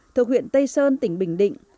thường huyện tây sơn tỉnh bình định